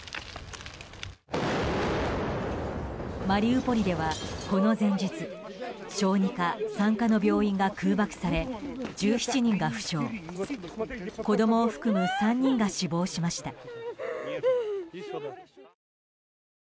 マリウポリでは、この前日小児科、産科の病院が空爆され１７人が負傷子供を含む３人が死亡しました。